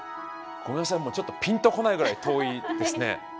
ごめんなさいちょっとピンと来ないぐらい遠いですね。